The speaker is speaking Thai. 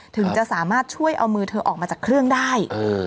ถึงจะสามารถช่วยเอามือเธอออกมาจากเครื่องได้